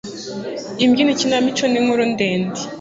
imbyino ikinamico n inkuru ndende